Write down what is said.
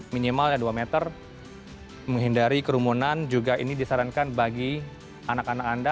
minimalnya dua meter menghindari kerumunan juga ini disarankan bagi anak anak anda